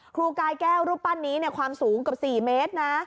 ครูกายแก้วรูปปั้นนี้ความสูงเกือบ๔เมตรนะ